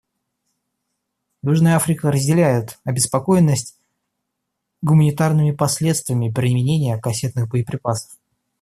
Южная Африка разделяет обеспокоенность гуманитарными последствиями применения кассетных боеприпасов.